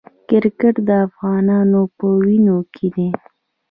کرکټ د افغانانو په وینو کې دی.